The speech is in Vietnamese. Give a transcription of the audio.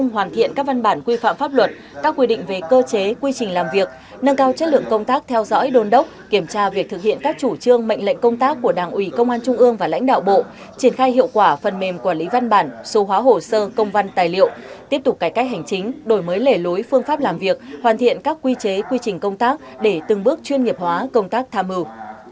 hoàn thiện các văn bản quy phạm pháp luật các quy định về cơ chế quy trình làm việc nâng cao chất lượng công tác theo dõi đôn đốc kiểm tra việc thực hiện các chủ trương mệnh lệnh công tác của đảng ủy công an trung ương và lãnh đạo bộ triển khai hiệu quả phần mềm quản lý văn bản số hóa hồ sơ công văn tài liệu tiếp tục cải cách hành chính đổi mới lẻ lúi phương pháp làm việc hoàn thiện các quy chế quy trình công tác để từng bước chuyên nghiệp hóa công tác tham mưu